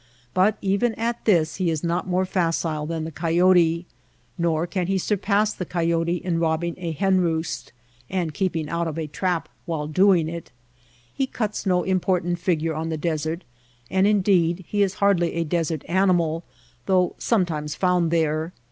But even at this he is not more facile than the coyote. Nor can he surpass the coyote in robbing a hen roost and keeping out of a trap while doing it. He cuts no important fig ure on the desert and, indeed, he is hardly a desert animal though sometimes found there.